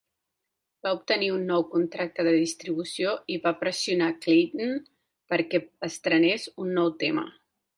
va obtenir un nou contracte de distribució i va pressionar Klayton perquè estrenés un nou tema.